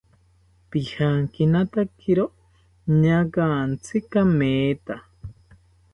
Pijankinatakiro ñaagantzi kametha